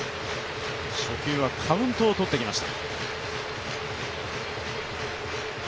初球はカウントをとってきました。